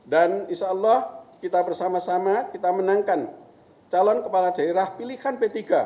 dan insyaallah kita bersama sama kita menangkan calon kepala daerah pilihan p tiga